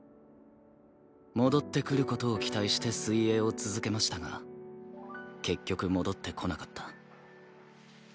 戻ってくる事を期待して水泳を続けましたが結局戻ってこなかった。